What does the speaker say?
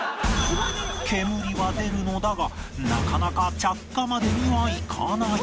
煙は出るのだがなかなか着火までにはいかない